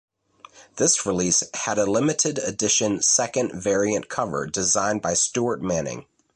This release had a limited edition second variant cover designed by Stuart Manning.